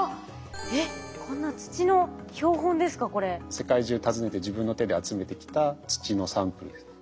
世界中訪ねて自分の手で集めてきた土のサンプルです。